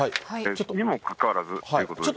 にもかかわらずっていうことですから。